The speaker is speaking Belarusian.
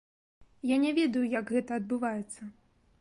Я не ведаю, як гэта адбываецца.